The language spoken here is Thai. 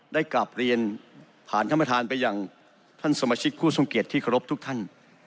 ได้กลับเรียนผ่านท่านประธานไปอย่างท่านสมาชิกผู้ทรงเกียจที่เคารพทุกท่าน